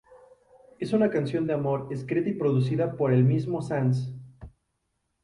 Es una canción de amor, escrita y producida por el mismo Sanz.